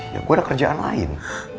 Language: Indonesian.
ya gue ada kerjaan lain